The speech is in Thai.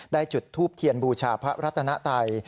จุดทูบเทียนบูชาพระรัตนไตย